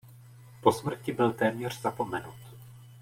Po smrti byl téměř zapomenut.